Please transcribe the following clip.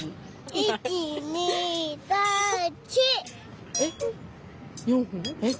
１２３４！えっ？